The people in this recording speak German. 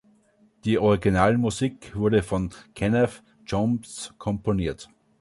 Die Originalmusik wurde von Kenneth Jones komponiert.